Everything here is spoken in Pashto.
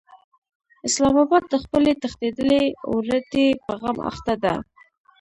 اسلام اباد د خپلې تښتېدلې عورتې په غم اخته دی.